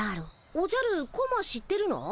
おじゃるコマ知ってるの？